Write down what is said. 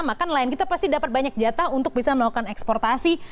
maka nelayan kita pasti dapat banyak jatah untuk bisa melakukan eksportasi